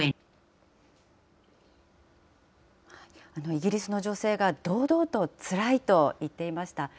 イギリスの女性が堂々とつらいと言っていました。